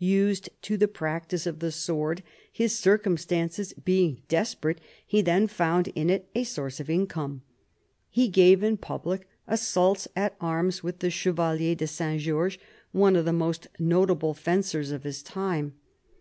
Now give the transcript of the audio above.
Used to the practice of the sword, his circumstances being desperate, he then found in it a source of income. He gave in public, assaults at arms with the Chevalier de Saint George, one of the most notable fencers of his time.